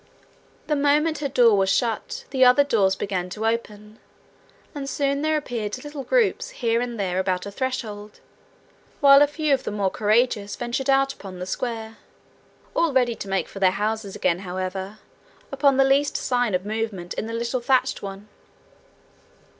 The moment her door was shut the other doors began to open, and soon there appeared little groups here and there about a threshold, while a few of the more courageous ventured out upon the square all ready to make for their houses again, however, upon the least sign of movement in the little thatched one.